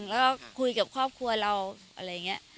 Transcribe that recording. แล้วก็คุยกับครอบครัวเราอะไรอย่างนี้